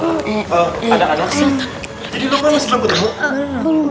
jadi lo berapa lama masih belum ketemu